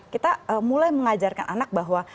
kita mulai mengajarkan anak bahwa